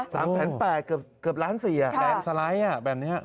๓แสน๘เกือบ๑ล้าน๔แบบสไลด์แบบนี้